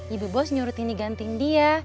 ibu bos nyuruh tini gantiin dia